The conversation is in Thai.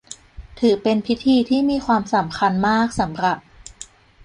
ถือเป็นพิธีที่มีความสำคัญมากสำหรับ